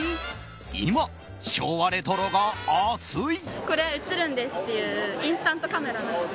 今、昭和レトロが熱い。